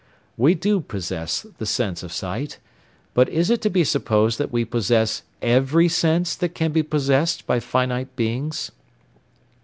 We do possess the sense of sight; but is it to be supposed that we possess every sense that can be possessed by finite beings?